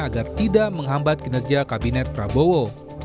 agar tidak menghambat kinerja kabinet prabowo